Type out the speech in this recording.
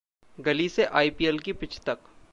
गली से आइपीएल की पिच तक